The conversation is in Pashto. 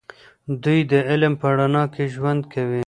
دوی د علم په رڼا کې ژوند کوي.